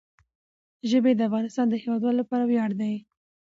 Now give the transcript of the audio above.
ژبې د افغانستان د هیوادوالو لپاره ویاړ دی.